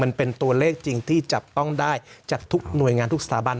มันเป็นตัวเลขจริงที่จับต้องได้จากทุกหน่วยงานทุกสถาบัน